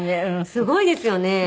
すごいですよね。